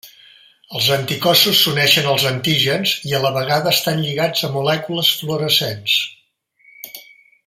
Els anticossos s'uneixen als antígens i a la vegada estan lligats a molècules fluorescents.